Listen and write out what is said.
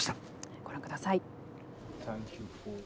ご覧ください。